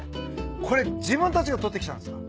これ自分たちが捕ってきたんですか？